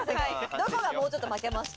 どこがもうちょっと、まけました。